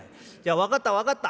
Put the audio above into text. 分かった分かった。